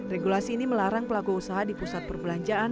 regulasi ini melarang pelaku usaha di pusat perbelanjaan